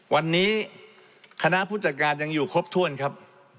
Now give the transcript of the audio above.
วันนี้คณะผู้จัดการยังอยู่ครบถ้วนครับ